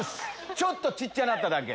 ちょっと小っちゃなっただけ。